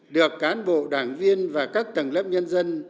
được cán bộ đảng viên và các tầng lớp nhân dân